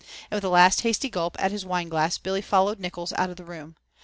And with a last hasty gulp at his wine glass Billy followed Nickols out of the room.